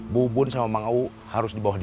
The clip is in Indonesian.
bubun sama mang uu harus di bawah dia